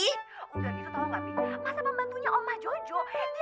masa pembantunya oma jojo